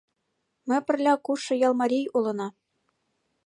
Ме пырля кушшо ял марий улына.